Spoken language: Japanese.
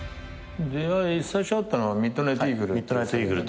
最初会ったのは『ミッドナイトイーグル』。